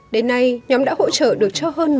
đến nay nhóm đã hỗ trợ được cho hơn một năm trăm linh bà mẹ